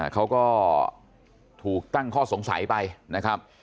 เขาก็ถูกตั้งข้อสงสัยไปนะครับ